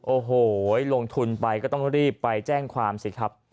โอ้โหลงทุนไปก็ต้องรีบไปแจ้งความสิครับ